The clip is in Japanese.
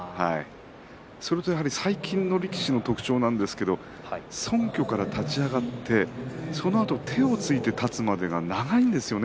それと最近の力士の特徴なんですがそんきょから立ち上がってそのあと手をついて立つまでが長いんですよね